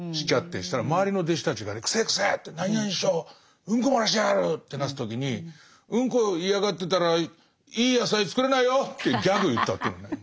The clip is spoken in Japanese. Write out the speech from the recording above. そしたら周りの弟子たちがね「くせえくせえ」って「何々師匠うんこ漏らしてやがる」ってなった時に「うんこ嫌がってたらいい野菜作れないよ」ってギャグ言ったっていうんだよ。